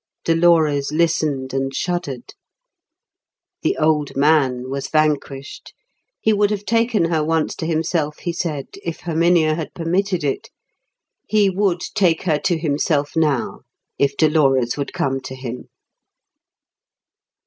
Dolores listened and shuddered. The old man was vanquished. He would have taken her once to himself, he said, if Herminia had permitted it; he would take her to himself now, if Dolores would come to him.